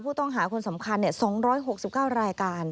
ผู้ต้องหาคนสำคัญ๒๖๙รายการ